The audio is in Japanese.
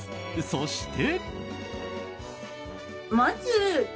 そして。